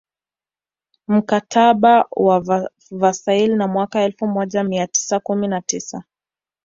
Mkataba wa Versailles wa mwaka elfu moja mia tisa kumi na tisa